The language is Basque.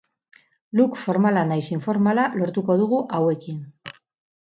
Look formala nahiz informala lortuko dugu hauekin.